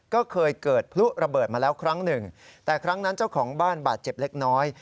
ก็เคยเกิดพลุระเบิดมาแล้วครั้งหนึ่งแต่ครั้งนั้นเจ้าของบ้านบาดเจ็บเล็กน้อย